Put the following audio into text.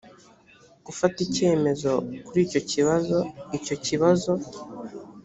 gufata icyemezo kuri icyo kibazo icyo kibazo